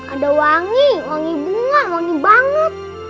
ada wangi wangi bunga wangi banget